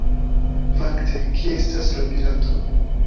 Fakte, kie estas la pirato?